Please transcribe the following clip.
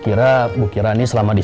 ini udah selesai